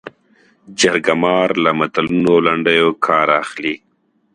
جرګه مار له متلونو او لنډیو کار اخلي